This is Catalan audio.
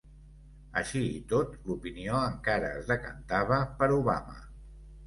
Així i tot l'opinió encara es decantava per Obama.